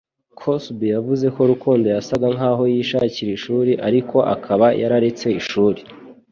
Cosby yavuze ko Rukundo yasaga nkaho yishakira ishuri ariko akaba yararetse ishuri